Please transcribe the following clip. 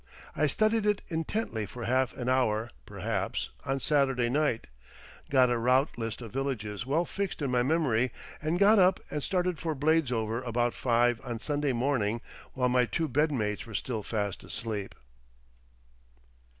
I studied it intently for half an hour perhaps, on Saturday night, got a route list of villages well fixed in my memory, and got up and started for Bladesover about five on Sunday morning while my two bed mates were still fast asleep.